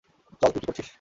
চল, তুই কি করছিস?